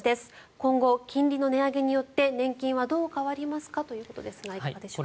今後、金利の値上げによって年金はどう変わりますかということですがいかがでしょうか。